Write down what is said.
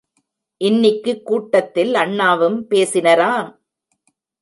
இன்னிக்குக் கூட்டத்தில் அண்ணாவும் பேசினரா?